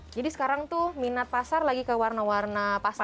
jadi sekarang tuh minat pasar lagi ke warna warna pastel